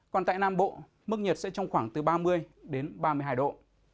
còn tại nam bộ mức nhiệt sẽ trong khoảng từ ba mươi đến ba mươi hai độ